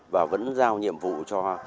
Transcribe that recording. và vẫn giao nhiệm vụ cho